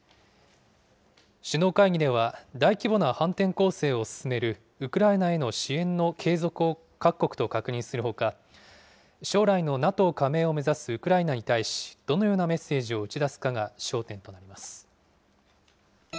首脳会議では、大規模な反転攻勢を進めるウクライナへの支援の継続を各国と確認するほか、将来のＮＡＴＯ加盟を目指すウクライナに対し、どのようなメッセージを打ち出すかが焦点となります。